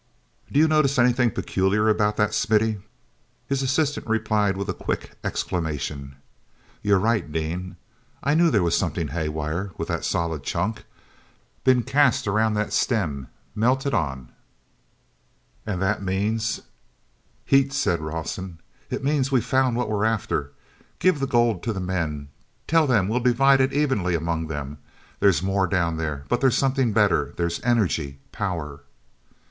Do you notice anything peculiar about that, Smithy?" His assistant replied with a quick exclamation: "You're right, Dean! I knew there was something haywire with that. Solid chunk—been cast around that stem—melted on. And that means—" "Heat," said Rawson. "It means we've found what we're after. Give the gold to the men; tell them we'll divide it evenly among them. There's more down there, but there's something better: there's energy, power!"